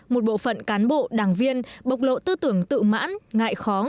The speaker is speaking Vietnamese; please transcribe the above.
một bộ phận cán bộ đảng viên bộc lộ tư tưởng tự mãn